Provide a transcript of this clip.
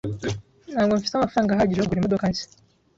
Ntabwo mfite amafaranga ahagije yo kugura imodoka nshya.